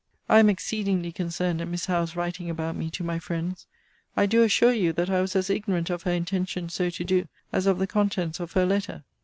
I am exceedingly concerned at Miss Howe's writing about me to my friends. I do assure you, that I was as ignorant of her intention so to do as of the contents of her letter.